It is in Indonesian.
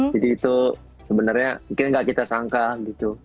jadi itu sebenarnya mungkin nggak kita sangka gitu